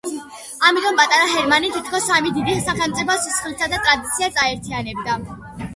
ამიტომ პატარა ჰერმანი თითქოს სამი დიდი სახელმწიფოს სისხლსა და ტრადიციებს აერთიანებდა.